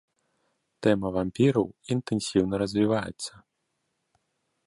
Тэма вампіраў інтэнсіўна развіваецца.